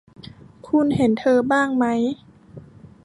คุณเห็นเธอบ้างไหม